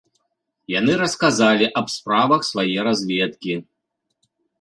Яны расказалі аб справах свае разведкі.